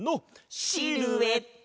シルエット！